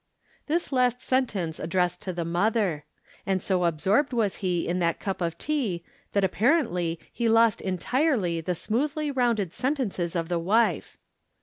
This last sentence addressed to the mother. And so absorbed was he in that cup of tea that ap parently he lost entirely the smoothly rounded sentences of the wife.